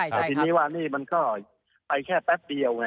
แต่ทีนี้ว่านี่มันก็ไปแค่แป๊บเดียวไง